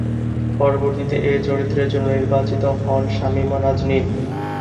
পরবর্তীতে এ চরিত্রের জন্য নির্বাচিত হন শামীমা নাজনীন।